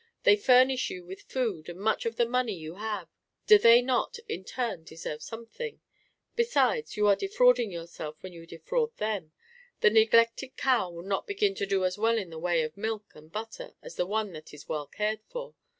They furnish you with food and much of the money you have; do they not, in turn, deserve something? Besides you are defrauding yourself when you defraud them. The neglected cow will not begin to do as well in the way of milk and butter as the one that is well cared for.